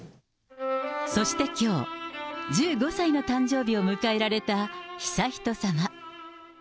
そしてきょう、１５歳の誕生日を迎えられた悠仁さま。